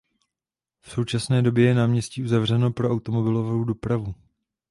V současné době je náměstí uzavřeno pro automobilovou dopravu.